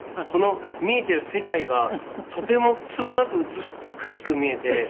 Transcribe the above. この見えてる世界がとてつもなく美しく見えて。